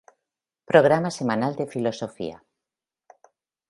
Programa semanal de filosofía.